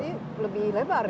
oh jadi lebih lebar ya